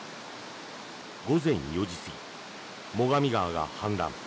午前４時過ぎ、最上川が氾濫。